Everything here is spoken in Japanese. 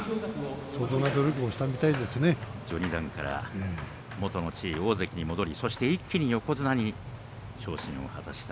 序二段からもとの地位大関に戻り一気に横綱に昇進を果たしました